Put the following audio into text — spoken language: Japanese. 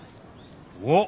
おっ？